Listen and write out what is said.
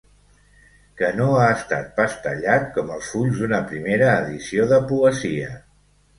Que no ha estat pas tallat, com els fulls d'una primera edició de poesia.